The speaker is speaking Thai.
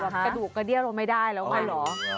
กระดูกกระเดี้ยวเราไม่ได้แล้ว